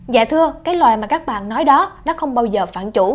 dạ thưa cái loài mà các bạn nói đó nó không bao giờ phản chủ